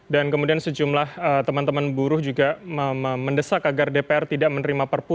dan kemudian sejumlah teman teman buruh juga mendesak agar dpr tidak menerima perpu